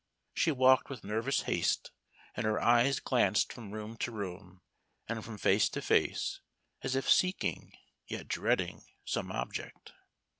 She walked with nervous haste, and her eyes glanced from room to room, and from face to face, as if seeking, yet dreading, some object.